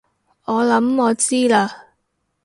我諗我知喇